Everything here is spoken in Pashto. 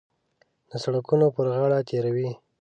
د سړکونو پر غاړو تېروي.